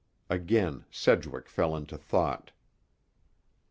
Again Sedgwick fell into thought.